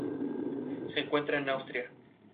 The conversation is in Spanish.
Se encuentra en Austria.